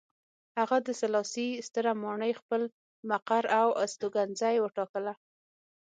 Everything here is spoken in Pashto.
هغه د سلاسي ستره ماڼۍ خپل مقر او استوګنځی وټاکله.